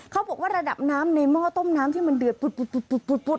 เขาบอกว่าระดับน้ำในหม้อต้มน้ำที่มันเดือดปุ๊ดปุ๊ดปุ๊ดปุ๊ดปุ๊ด